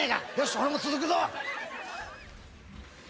俺も続くぞ。